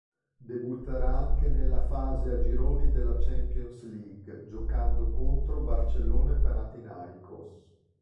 Debutterà anche nella fase a gironi della Champions League, giocando contro Barcellona e Panathinaikos.